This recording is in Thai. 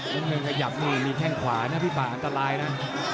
คุณงุยขยับนี่มีแท่งขวาพี่พะอันตรายนะ